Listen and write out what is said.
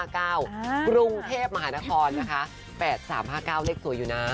กรุงเทพมหานครนะคะ๘๓๕๙เลขสวยอยู่นะ